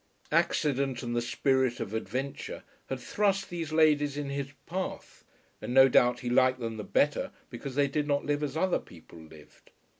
Accident, and the spirit of adventure, had thrust these ladies in his path, and no doubt he liked them the better because they did not live as other people lived.